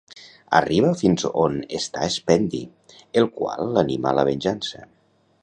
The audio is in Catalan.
Arriba fins on està Spendi, el qual l'anima a la venjança.